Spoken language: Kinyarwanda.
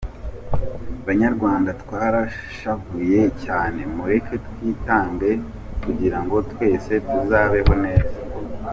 Banyarwanda twarashavuye cyane, mureke twitange kugirango twese tuzabeho neza.